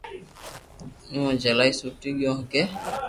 اووہ جھلائي سوٽي ڪوئي ھگي